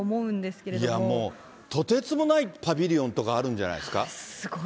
けれいや、もうとてつもないパビリオンとかあるんじゃないですか？